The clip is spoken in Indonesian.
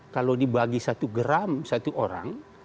kalau dibagi satu gram satu orang